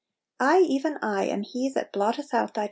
1 I, even I, am He that blotteth out thy.